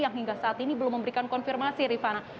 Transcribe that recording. yang hingga saat ini belum memberikan konfirmasi rifana